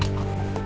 setia pak bos